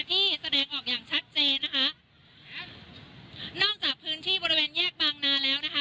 ที่แสดงออกอย่างชัดเจนนะคะนอกจากพื้นที่บริเวณแยกบางนาแล้วนะคะ